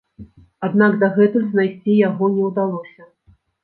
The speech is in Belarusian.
Аднак дагэтуль знайсці яго не ўдалося.